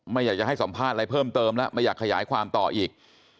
ไม่อยากจะให้สัมภาษณ์อะไรเพิ่มเติมแล้วไม่อยากขยายความต่ออีก